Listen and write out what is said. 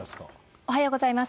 おはようございます。